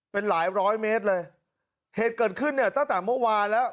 เป็นหลายร้อยเมตรเลยเหตุเกิดขึ้นเนี่ยตั้งแต่เมื่อวานแล้ว